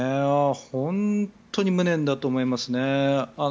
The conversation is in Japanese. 本当に無念だと思いますね。